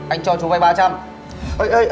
anh cho chú vay ba trăm linh